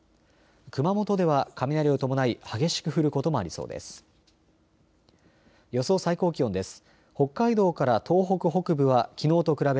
熊本では雷を伴い、激しく降ることもありそうです。